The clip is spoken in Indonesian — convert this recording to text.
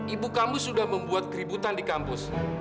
ibu kamu sudah membuat keributan di kampus